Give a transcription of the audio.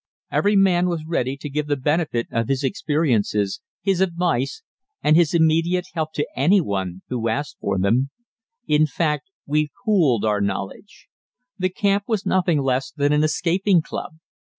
Each man was ready to give the benefit of his experiences, his advice, and his immediate help to any one who asked for them. In fact, we pooled our knowledge. The camp was nothing less than an escaping club.